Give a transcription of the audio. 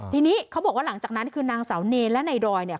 ทีนี้เขาบอกว่าหลังจากนั้นคือนางสาวเนรและนายดอยเนี่ย